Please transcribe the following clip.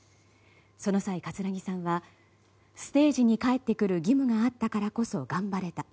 その際葛城さんはステージに帰ってくる義務があったからこそ頑張れた。